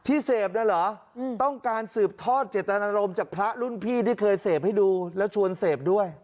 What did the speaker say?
ที่เสพนั่นเหรอต้องการสืบทอดเจตนารมณ์จากพระรุ่นพี่ที่เคยเสพให้ดูแล้วชวนเสพด้วย